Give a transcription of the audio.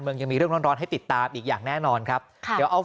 ยังมีเรื่องร้อนร้อนให้ติดตามอีกอย่างแน่นอนครับค่ะเดี๋ยวเอา